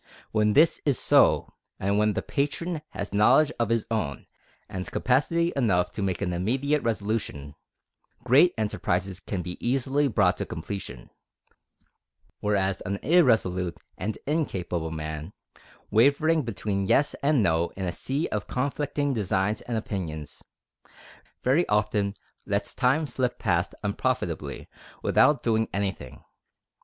When this is so, and when the patron has knowledge of his own and capacity enough to take an immediate resolution, great enterprises can be easily brought to completion; whereas an irresolute and incapable man, wavering between yes and no in a sea of conflicting designs and opinions, very often lets time slip past unprofitably without doing anything.